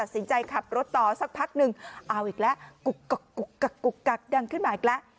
สินใจขับรถต่อสักพักหนึ่งเอาอีกแล้วดังขึ้นมาอีกแล้ว